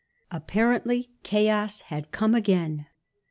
Apparently chaos had come again.